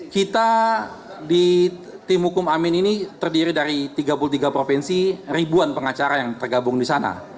kita di tim hukum amin ini terdiri dari tiga puluh tiga provinsi ribuan pengacara yang tergabung di sana